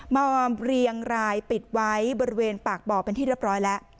มาเรียงรายปิดไว้บริเวณปากบ่อเป็นที่เรียบร้อยแล้ว